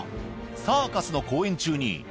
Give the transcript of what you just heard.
サーカスの公演中に。